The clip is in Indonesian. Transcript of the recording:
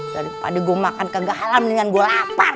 daripada gua makan kagak halal mendingan gua lapar